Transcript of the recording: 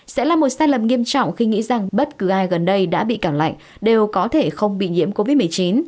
sẽ là một sai lầm nghiêm trọng khi nghĩ rằng bất cứ ai gần đây đã bị cảng lạnh đều có thể không bị nhiễm covid một mươi chín